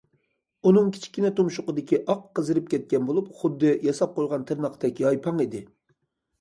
ئۇنىڭ كىچىككىنە تۇمشۇقىدىكى ئاق قىزىرىپ كەتكەن بولۇپ، خۇددى ياساپ قويغان تىرناقتەك يايپاڭ ئىدى.